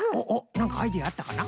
なんかアイデアあったかな？